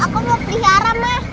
aku mau pelihara ma